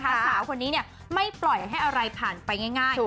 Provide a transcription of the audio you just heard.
แต่สาวคนนี้ไม่ปล่อยให้อะไรผ่านไปง่าย